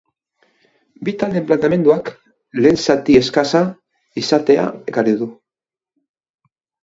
Bi taldeen planteamenduak lehen zati eskasa izatea ekarri du.